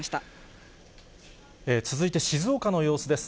続いて静岡の様子です。